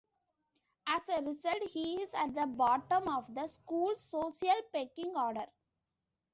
As a result, he is at the bottom of the school's social pecking order.